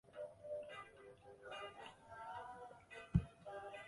几经各项公文书往返及经费筹凑。